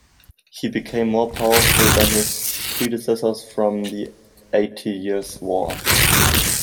He became more powerful than his predecessors from the Eighty Years' War.